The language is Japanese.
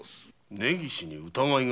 根岸に疑いが？